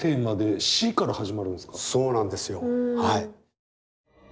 そうなんですよはい。